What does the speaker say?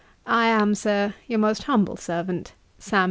'I am, Sir, 'Your most humble servant, 'SAM.